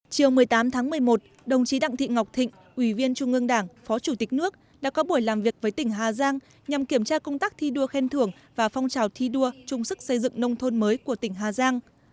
chiều một mươi tám tháng một mươi một đồng chí đặng thị ngọc thịnh ủy viên trung ương đảng phó chủ tịch nước đã có buổi làm việc với tỉnh hà giang nhằm kiểm tra công tác thi đua khen thưởng và phong trào thi đua chung sức xây dựng nông thôn mới của tỉnh hà giang